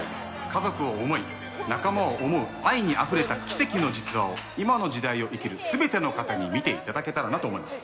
家族を思い、仲間を思う奇跡の実話を、今の時代を生きる全ての方に見ていただけたらなと思います。